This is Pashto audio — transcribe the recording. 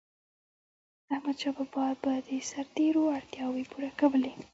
احمدشاه بابا به د سرتيرو اړتیاوي پوره کولي.